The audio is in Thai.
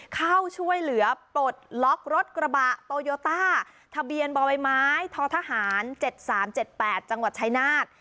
เข้าช่วยเหลือปลดล็อกรถกระบะโตโยต้าทะเบียนบ่อใบไม้ททหาร๗๓๗๘จังหวัดชายนาฏ